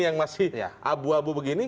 yang masih abu abu seperti ini